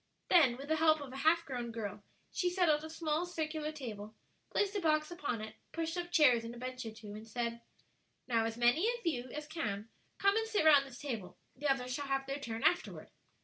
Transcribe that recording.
Then, with the help of a half grown girl, she set out a small circular table, placed a box upon it, pushed up chairs and a bench or two, and said, "Now, as many of you as can, come and sit round this table; the others shall have their turn afterward."